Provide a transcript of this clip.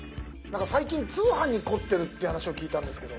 最近通販に凝ってるって話を聞いたんですけど。